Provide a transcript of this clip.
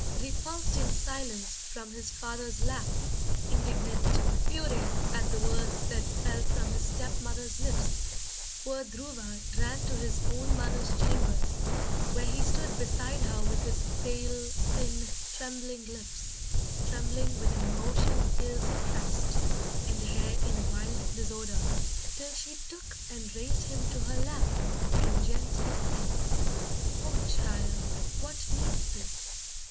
Repulsed in silence from his father's lap, Indignant, furious, at the words that fell From his step mother's lips, poor Dhruva ran To his own mother's chambers, where he stood Beside her with his pale, thin, trembling lips, (Trembling with an emotion ill suppressed) And hair in wild disorder, till she took And raised him to her lap, and gently said: "Oh, child, what means this?